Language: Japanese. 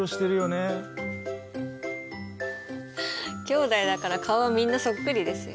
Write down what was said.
兄弟だから顔はみんなそっくりですよ。